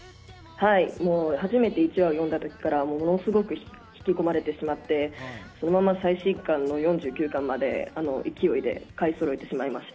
はい、もう初めて１話を読んだときからものすごく引き込まれてしまって、そのまま最新刊の４９巻まで勢いで買いそろえてしまいました。